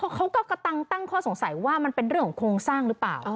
เขาก็กระตังตั้งข้อสงสัยว่ามันเป็นเรื่องของโครงสร้างหรือเปล่า